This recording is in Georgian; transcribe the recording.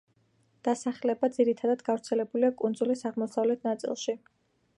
დასახლება ძირითადად გავრცელებულია კუნძულის აღმოსავლეთ ნაწილში.